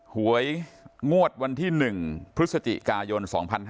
หวยงวดวันที่หนึ่งพฤศจิกายน๒๕๖๐๕๓๓๗๒๖